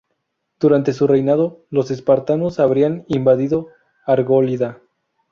Durante su reinado, los espartanos habrían invadido Argólida.